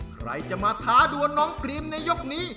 ใครจะมาท้าดวนน้องพรีมในยกนี้